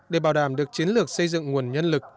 để bảo đảm được chiến lược xây dựng nguồn nhân lực